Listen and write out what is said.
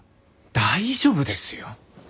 大丈夫ですよ！